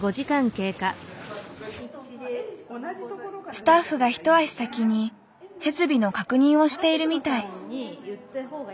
スタッフが一足先に設備の確認をしているみたい。